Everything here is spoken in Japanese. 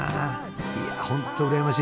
いや本当うらやましい！